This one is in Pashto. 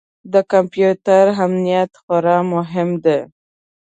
د کمپیوټر امنیت خورا مهم دی.